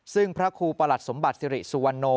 ซึ่งพระครูประหลัดสมบัติสิริสุวรรณโน